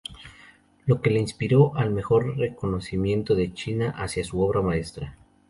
Lo que le inspiró el mejor reconocimiento de China hacia su obra maestra.